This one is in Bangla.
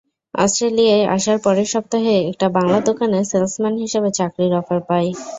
অস্ট্রেলিয়ায় আসার পরের সপ্তাহেই একটা বাংলা দোকানে সেলসম্যান হিসেবে চাকরির অফার পাই।